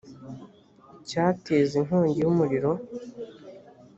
icyateza inkongi y umuriro